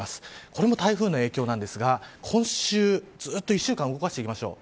これも台風の影響なんですが今週、ずっと１週間動かしていきましょう。